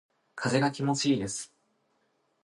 風が気持ちいいです。